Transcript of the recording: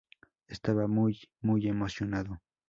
Estaba muy, muy emocionado".